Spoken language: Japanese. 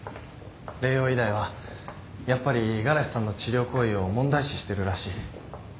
麗洋医大はやっぱり五十嵐さんの治療行為を問題視してるらしい。